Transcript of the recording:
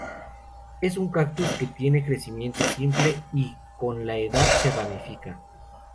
Es un cactus que tiene crecimiento simple y con la edad se ramifica.